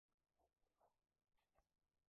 lakini wengine walibakia Thailand